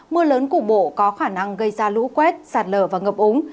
mưa lớn cục bộ có khả năng gây ra lũ quét sạt lở và ngập úng